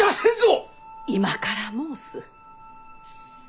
今から申す。